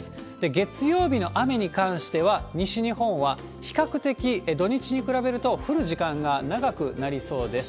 月曜日の雨に関しては、西日本は比較的土日に比べると降る時間が長くなりそうです。